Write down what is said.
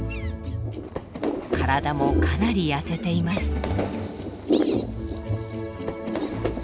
体もかなり痩せています。